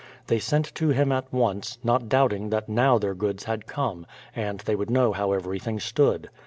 They sent to him at once, not doubting that now their goods had come, and they would know how every thing stood.